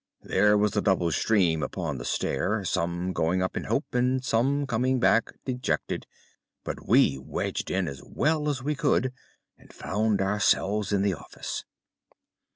There was a double stream upon the stair, some going up in hope, and some coming back dejected; but we wedged in as well as we could and soon found ourselves in the office."